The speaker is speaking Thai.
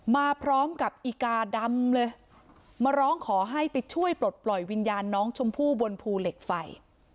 มาพร้อมกับอีกาดำเลยมาร้องขอให้ไปช่วยปลดปล่อยวิญญาณน้องชมพู่บนภูเหล็กไฟ